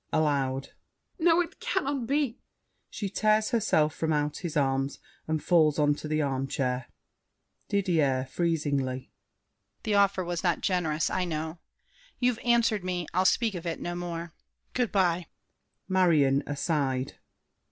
[Aloud.] No, it cannot be. [She tears herself from out his arms, and falls on the armchair. DIDIER (freezingly). The offer was not generous, I know. You've answered me. I'll speak of it no more! Good by! MARION. (aside).